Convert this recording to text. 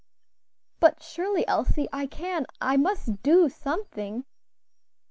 "But surely, Elsie, I can, I must do something."